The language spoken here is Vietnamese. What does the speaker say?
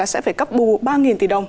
sẽ phải cấp bù ba tỷ đồng